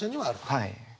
はい。